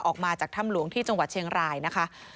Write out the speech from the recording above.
ออกมาจากถ้ำหลวงที่จังหวัดเชียงรายนะคะ